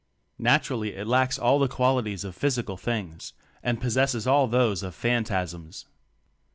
Naturally it lacks all the qualities of physical things, and possesses all those of phan tasms.